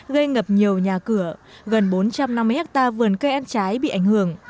gây ngập nhiều nhà cửa gần bốn trăm năm mươi hectare vườn cây ăn trái bị ảnh hưởng